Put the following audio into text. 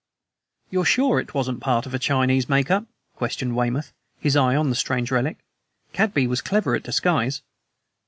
"You're sure it wasn't part of a Chinese make up?" questioned Weymouth, his eye on the strange relic. "Cadby was clever at disguise."